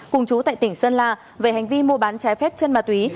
cùng chú tại tỉnh sơn la về hành vi mua bán trái phép chân ma túy